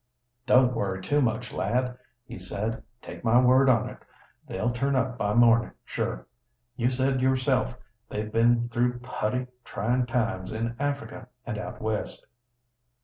"Don't worry too much, lad," he said. "Take my word on it, they'll turn up by morning, sure. You've said yourself they've been through putty tryin' times, in Africa and out West."